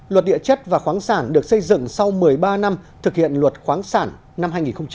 luật địa chất và khoáng sản được xây dựng sau một mươi ba năm thực hiện luật khoáng sản năm hai nghìn một mươi